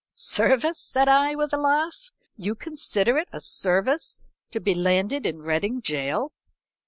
"'Service?' said I, with a laugh. 'You consider it a service to be landed in Reading gaol?'